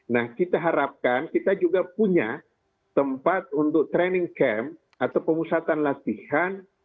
nah kita harapkan kita juga punya tempat untuk training camp atau pemusatan latihan